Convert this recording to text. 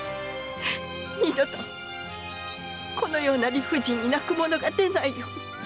二度とこのような理不尽に泣く者が出ないように。